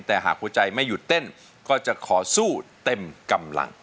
แต่หากหัวใจไม่หยุดเต้นก็จะขอสู้เต็มกำลัง